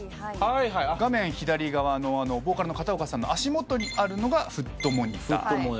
画面左側のボーカルの片岡さんの足元にあるのがフットモニター。